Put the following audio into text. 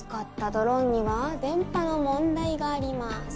ドローンには電波の問題があります。